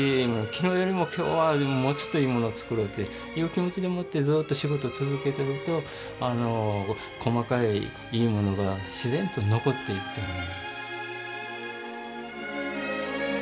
昨日よりも今日はもうちょっといいものを作ろうっていう気持ちでもってずっと仕事を続けてると細かいいいものが自然と残っていくという。